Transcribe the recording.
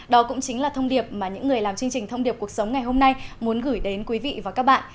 đó cũng chính là thông điệp mà những người làm chương trình thông điệp cuộc sống ngày hôm nay muốn gửi đến quý vị và các bạn